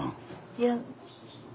いや。